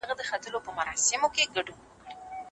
حقایق باید له کومې وېرې پرته څرګند سی.